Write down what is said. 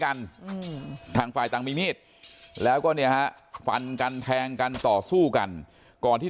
กันอืมทางฝ่ายต่างมีมีดแล้วก็เนี่ยฮะฟันกันแทงกันต่อสู้กันก่อนที่